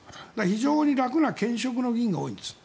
非常に楽な兼職の議員が多いんです。